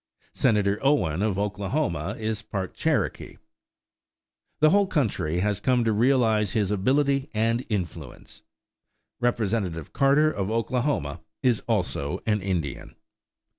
Senator Owen of Oklahoma is part Cherokee. The whole country has come to realize his ability and influence. Representative Carter of Oklahoma is also an Indian.